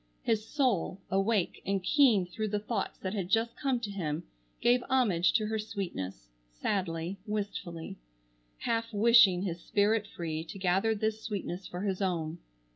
His soul, awake and keen through the thoughts that had just come to him, gave homage to her sweetness, sadly, wistfully, half wishing his spirit free to gather this sweetness for his own.